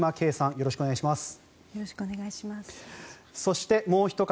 よろしくお願いします。